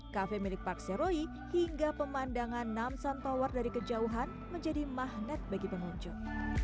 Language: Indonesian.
kafe milik park saeroyi hingga pemandangan namsan tower dari kejauhan menjadi magnet bagi pengunjung